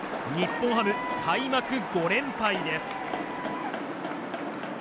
日本ハム、開幕５連敗です。